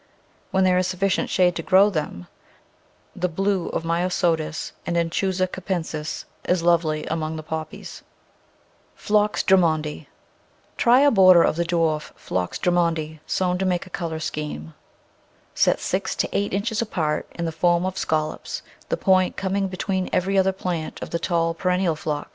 When there is sufficient shade to grow them the blue of Myosotis and of Anchusa capensis is lovely among the Poppies. Phlox Drummondi t ■ HRY a border of the dwarf Phlox Drummondi, X sown to make a colour scheme. Set six to eight inches apart, in the form of scallops, the point coming between every other plant of the tall, perennial Phlox.